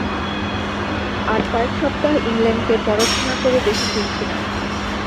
আর কয়েক সপ্তাহ ইংলণ্ডকে পরখ না করে দেশে ফিরছি না।